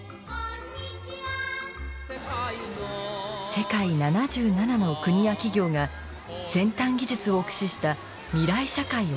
世界７７の国や企業が先端技術を駆使した未来社会を展示。